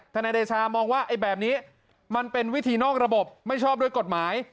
นายเดชามองว่าไอ้แบบนี้มันเป็นวิธีนอกระบบไม่ชอบด้วยกฎหมาย